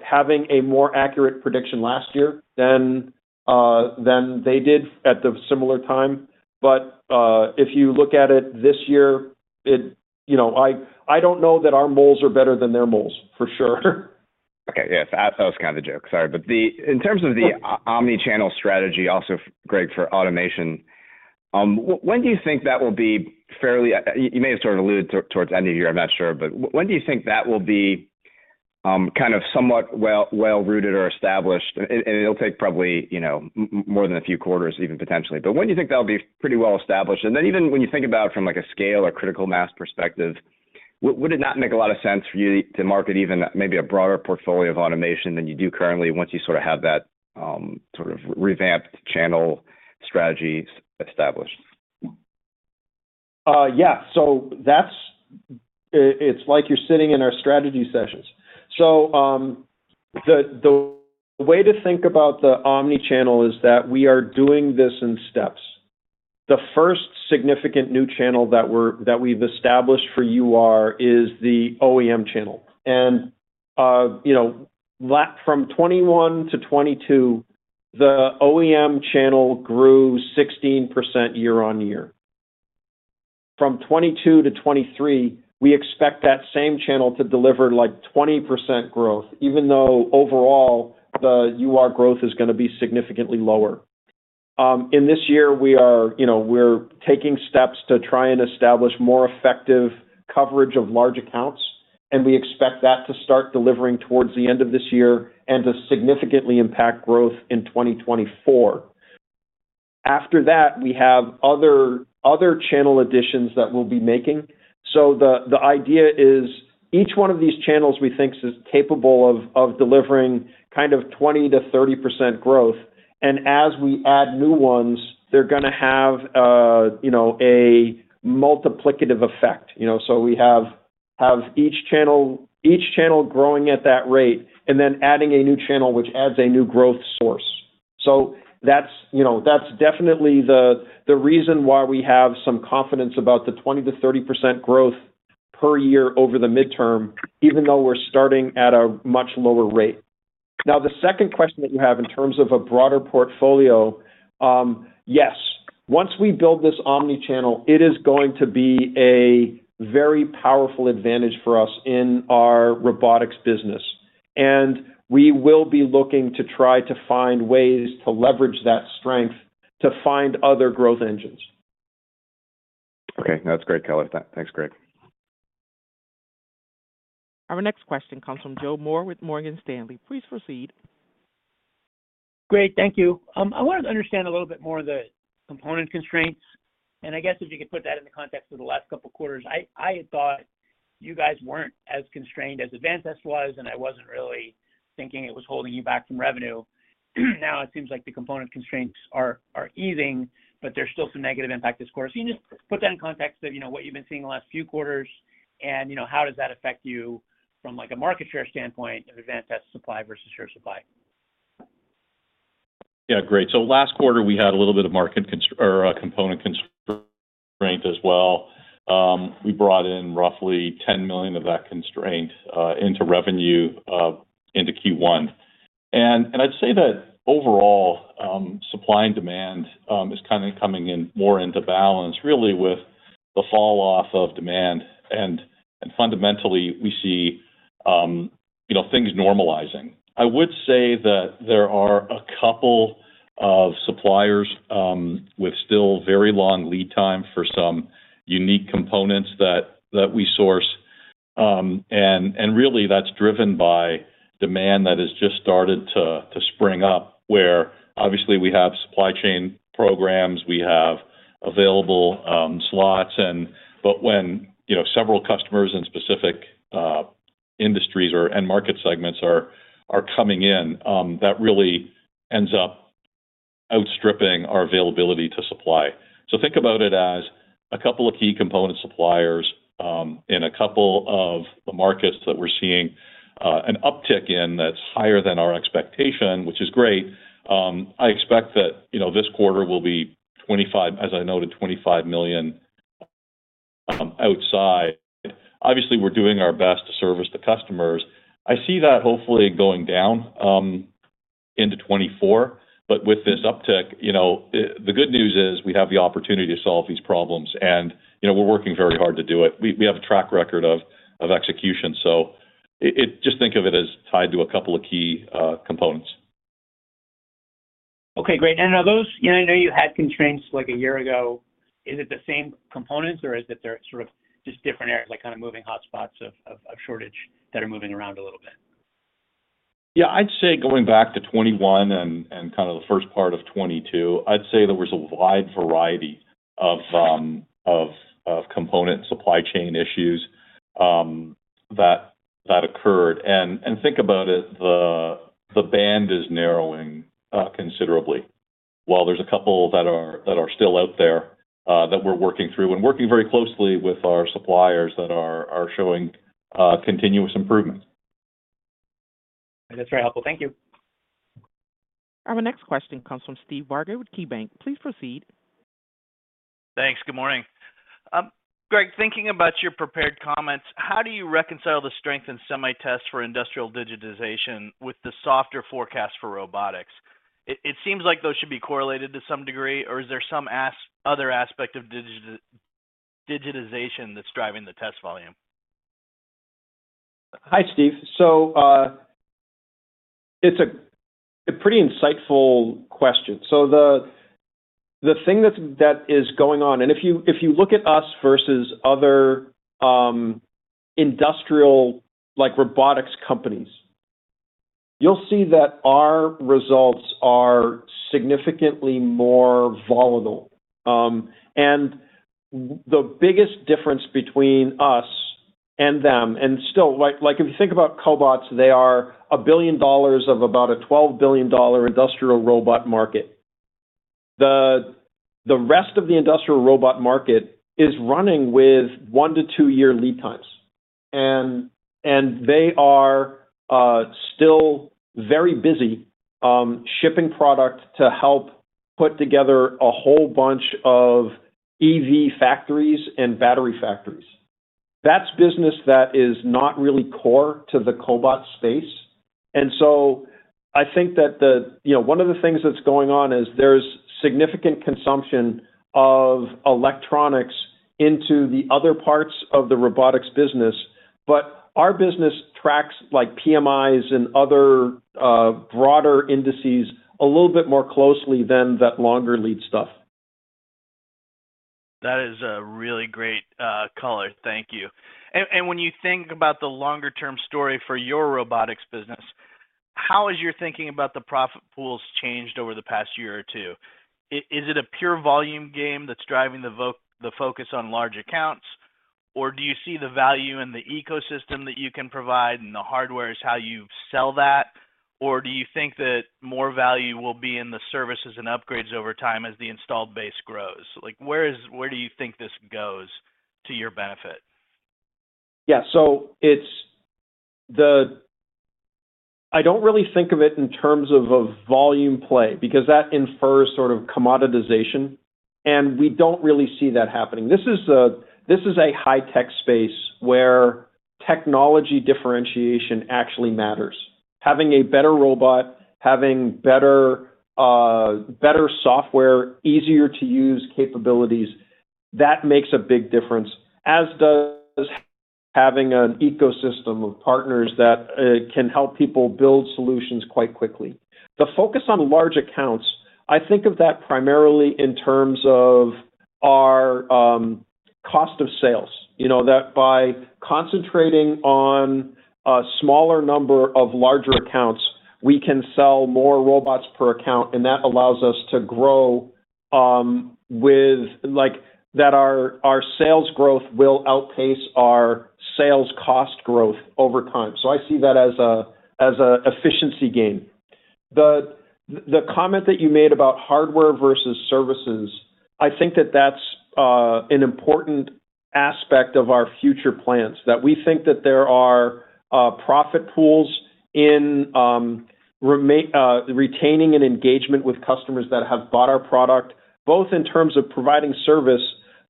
having a more accurate prediction last year than they did at the similar time. If you look at it this year, it, you know, I don't know that our moles are better than their moles, for sure. Okay. Yes. That was kind of the joke. Sorry. In terms of the omni-channel strategy also, Greg, for automation, when do you think that will be fairly. You may have sort of alluded towards the end of the year, I'm not sure, but when do you think that will be kind of somewhat well-rooted or established? It'll take probably, you know, more than a few quarters even potentially. But when do you think that'll be pretty well established? Even when you think about from like a scale or critical mass perspective, would it not make a lot of sense for you to market even maybe a broader portfolio of automation than you do currently once you sort of have that sort of revamped channel strategy established? Yeah. It's like you're sitting in our strategy sessions. The way to think about the omni-channel is that we are doing this in steps. The first significant new channel that we've established for UR is the OEM channel. you know, from 2021 to 2022, the OEM channel grew 16% year-on-year. From 2022 to 2023, we expect that same channel to deliver like 20% growth, even though overall, the UR growth is gonna be significantly lower. In this year, we are, you know, we're taking steps to try and establish more effective coverage of large accounts, and we expect that to start delivering towards the end of this year and to significantly impact growth in 2024. After that, we have other channel additions that we'll be making. The idea is each one of these channels we think is capable of delivering kind of 20% to 30% growth. As we add new ones, they're gonna have, you know, a multiplicative effect, you know. We have each channel growing at that rate and then adding a new channel, which adds a new growth source. That's, you know, that's definitely the reason why we have some confidence about the 20% to 30% growth per year over the midterm, even though we're starting at a much lower rate. The second question that you have in terms of a broader portfolio, yes, once we build this omni-channel, it is going to be a very powerful advantage for us in our robotics business. We will be looking to try to find ways to leverage that strength to find other growth engines. Okay. That's great color. Thanks, Greg. Our next question comes from Joe Moore with Morgan Stanley. Please proceed. Great. Thank you. I wanted to understand a little bit more of the component constraints, I guess if you could put that in the context of the last couple of quarters. I had thought you guys weren't as constrained as Advantest was, and I wasn't really thinking it was holding you back from revenue. It seems like the component constraints are easing, but there's still some negative impact this quarter. Can you just put that in context of, you know, what you've been seeing the last few quarters and, you know, how does that affect you from like a market share standpoint of Advantest supply versus your supply? Great. Last quarter, we had a little bit of market component constraint as well. We brought in roughly $10 million of that constraint into revenue into Q1. I'd say that overall, supply and demand is kind of coming in more into balance, really with the fall off of demand. Fundamentally, we see, you know, things normalizing. I would say that there are a couple of suppliers with still very long lead time for some unique components that we source. Really that's driven by demand that has just started to spring up, where obviously we have supply chain programs, we have available slots and... When, you know, several customers in specific industries or and market segments are coming in, that really ends up outstripping our availability to supply. Think about it as a couple of key component suppliers in a couple of the markets that we're seeing an uptick in that's higher than our expectation, which is great. I expect that, you know, this quarter will be $25 million, as I noted, $25 million outside. Obviously, we're doing our best to service the customers. I see that hopefully going down into 2024. With this uptick, you know, the good news is we have the opportunity to solve these problems and, you know, we're working very hard to do it. We have a track record of execution, so it just think of it as tied to a couple of key components. Okay, great. Yeah, I know you had constraints like a year ago. Is it the same components, or is it they're sort of just different areas, like kind of moving hotspots of shortage that are moving around a little bit? Yeah. I'd say going back to 21 and kind of the first part of 22, I'd say there was a wide variety of component supply chain issues that occurred. Think about it, the band is narrowing considerably. While there's a couple that are still out there that we're working through and working very closely with our suppliers that are showing continuous improvement. That's very helpful. Thank you. Our next question comes from Steve Barger with KeyBanc. Please proceed. Thanks. Good morning. Greg, thinking about your prepared comments, how do you reconcile the strength in semi test for industrial digitization with the softer forecast for robotics? It seems like those should be correlated to some degree, or is there some other aspect of digitization that's driving the test volume? Hi, Steve. It's a pretty insightful question. The thing that's going on, and if you look at us versus other industrial, like robotics companies, you'll see that our results are significantly more volatile. The biggest difference between us and them, and still, like if you think about cobots, they are $1 billion of about a $12 billion industrial robot market. The rest of the industrial robot market is running with 1-2 year lead times. They are still very busy shipping product to help put together a whole bunch of EV factories and battery factories. That's business that is not really core to the cobot space. I think that the... You know, one of the things that's going on is there's significant consumption of electronics into the other parts of the robotics business. Our business tracks like PMIs and other, broader indices a little bit more closely than that longer lead stuff. That is a really great color. Thank you. When you think about the longer-term story for your robotics business, how has your thinking about the profit pools changed over the past year or two? Is it a pure volume game that's driving the focus on large accounts, or do you see the value in the ecosystem that you can provide and the hardware is how you sell that, or do you think that more value will be in the services and upgrades over time as the installed base grows? Where do you think this goes to your benefit? Yeah. I don't really think of it in terms of a volume play because that infers sort of commoditization, and we don't really see that happening. This is a high-tech space where technology differentiation actually matters. Having a better robot, having better software, easier-to-use capabilities, that makes a big difference, as does having an ecosystem of partners that can help people build solutions quite quickly. The focus on large accounts, I think of that primarily in terms of our cost of sales. You know, that by concentrating on a smaller number of larger accounts, we can sell more robots per account, and that allows us to grow, with, like, that our sales growth will outpace our sales cost growth over time. I see that as a efficiency gain. The comment that you made about hardware versus services, I think that's an important aspect of our future plans, that we think that there are profit pools in retaining an engagement with customers that have bought our product, both in terms of providing service,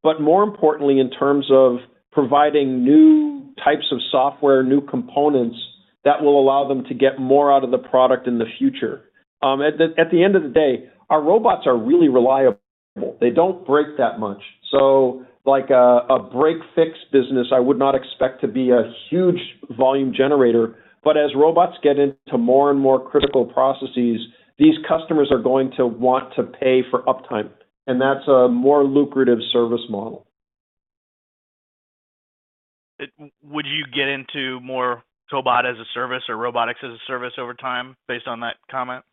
but more importantly, in terms of providing new types of software, new components that will allow them to get more out of the product in the future. At the end of the day, our robots are really reliable. They don't break that much. Like a break-fix business, I would not expect to be a huge volume generator. As robots get into more and more critical processes, these customers are going to want to pay for uptime, and that's a more lucrative service model. Would you get into more cobot-as-a-service or robotics-as-a-service over time based on that comment?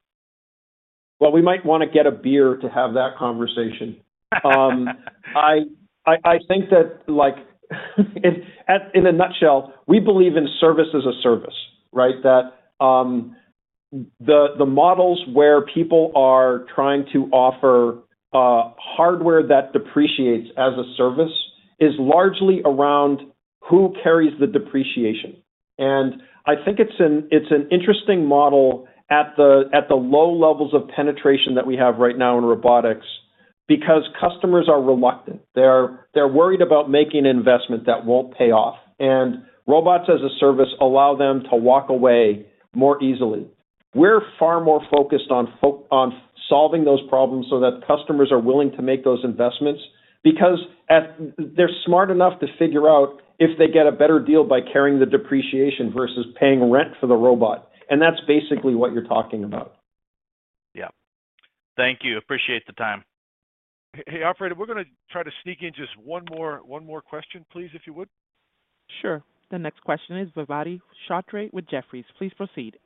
Well, we might want to get a beer to have that conversation. I think that, like, in a nutshell, we believe in service as a service, right? The models where people are trying to offer hardware that depreciates as a service is largely around who carries the depreciation. I think it's an interesting model at the low levels of penetration that we have right now in robotics because customers are reluctant. They're worried about making an investment that won't pay off, robots-as-a-service allow them to walk away more easily. We're far more focused on solving those problems so that customers are willing to make those investments. Because they're smart enough to figure out if they get a better deal by carrying the depreciation versus paying rent for the robot. That's basically what you're talking about. Yeah. Thank you. Appreciate the time. Hey, operator, we're gonna try to sneak in just one more, one more question, please, if you would. The next question is Vedvati Shrotre with Jefferies. Please proceed.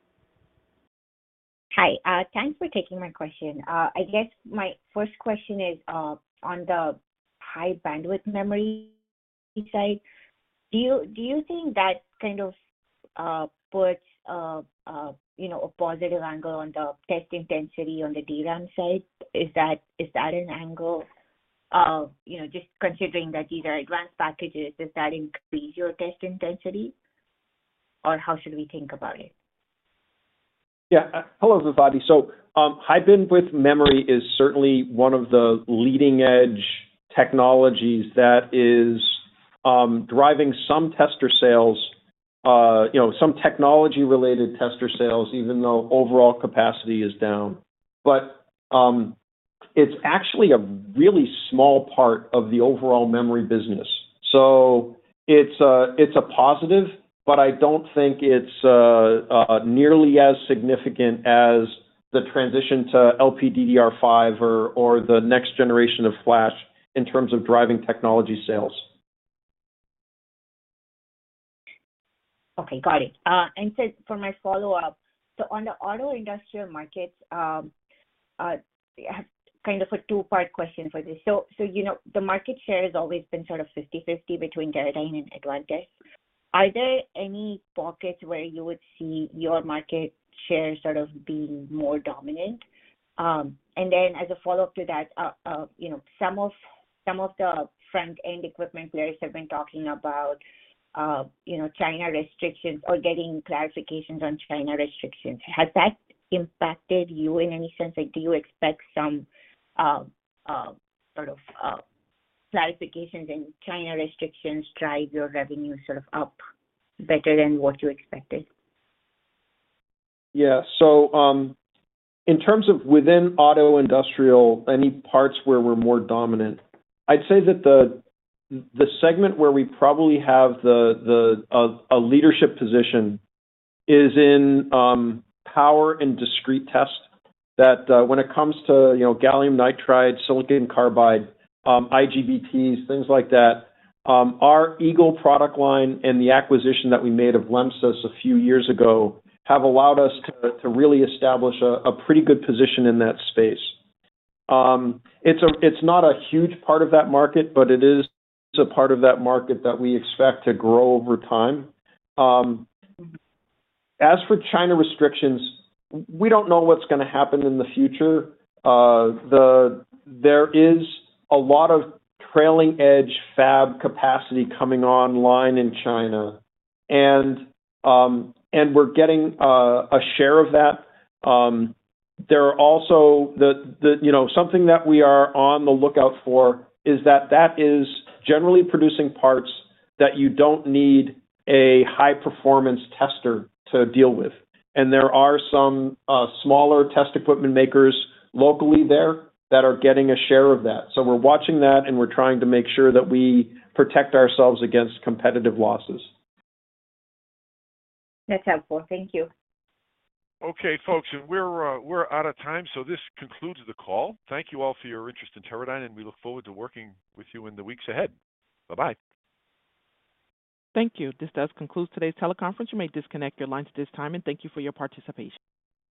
Hi. Thanks for taking my question. I guess my first question is on the High Bandwidth Memory side. Do you think that kind of puts, you know, a positive angle on the test intensity on the DRAM side? Is that an angle of, you know, just considering that these are advanced packages, does that increase your test intensity, or how should we think about it? Yeah. Hello, Vedvati. High Bandwidth Memory is certainly one of the leading-edge technologies that is driving some tester sales, you know, some technology-related tester sales, even though overall capacity is down. It's actually a really small part of the overall memory business. It's a positive, but I don't think it's nearly as significant as the transition to LPDDR5 or the next generation of flash in terms of driving technology sales. For my follow-up, on the auto industrial markets, I have kind of a 2-part question for this. You know, the market share has always been sort of 50/50 between Teradyne and Advantest. Are there any pockets where you would see your market share sort of being more dominant? As a follow-up to that, you know, some of the front-end equipment players have been talking about, you know, China restrictions or getting clarifications on China restrictions. Has that impacted you in any sense? Like, do you expect some sort of clarifications in China restrictions drive your revenue sort of up better than what you expected? Yeah. in terms of within auto industrial, any parts where we're more dominant, I'd say that the leadership position is in, power and discrete test that, when it comes to, you know, gallium nitride, silicon carbide, IGBTs, things like that, our Eagle product line and the acquisition that we made of Lemsys a few years ago have allowed us to really establish a pretty good position in that space. It's not a huge part of that market, but it is a part of that market that we expect to grow over time. as for China restrictions, we don't know what's gonna happen in the future. There is a lot of trailing edge fab capacity coming online in China, and we're getting a share of that. There are also, you know, something that we are on the lookout for is that that is generally producing parts that you don't need a high-performance tester to deal with. There are some smaller test equipment makers locally there that are getting a share of that. We're watching that, and we're trying to make sure that we protect ourselves against competitive losses. That's helpful. Thank you. Okay, folks. We're out of time, so this concludes the call. Thank you all for your interest in Teradyne, and we look forward to working with you in the weeks ahead. Bye-bye. Thank you. This does conclude today's teleconference. You may disconnect your lines at this time, and thank you for your participation.